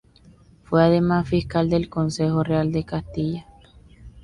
Fue además Fiscal del Consejo Real de Castilla.